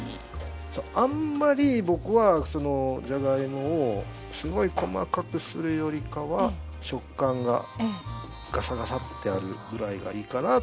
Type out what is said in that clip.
そうあんまり僕はそのじゃがいもをすごい細かくするよりかは食感がガサガサッてあるぐらいがいいかなと僕は思います。